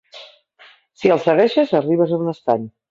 Si el segueixes, arribes a un estany.